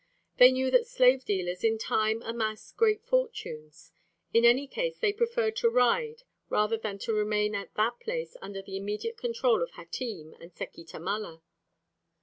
They knew that slave dealers in time amass great fortunes; in any case they preferred to ride rather than to remain at that place under the immediate control of Hatim and Seki Tamala.